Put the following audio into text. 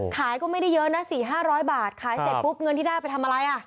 ขายก็ไม่ได้เยอะนะ๔๕๐๐บาทขายเสร็จปุ๊บเงินที่ได้ไปทำอะไรอ่ะ